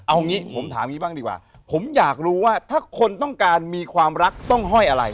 เอางี้ผมถามอย่างนี้บ้างดีกว่าผมอยากรู้ว่าถ้าคนต้องการมีความรักต้องห้อยอะไร